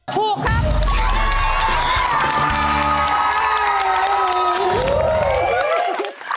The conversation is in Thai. ถูกครับ